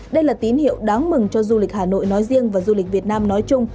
đây là tín hiệu đáng mừng cho du lịch hà nội nói riêng và du lịch việt nam nói chung